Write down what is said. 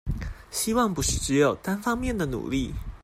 希望不是只有單方面的努力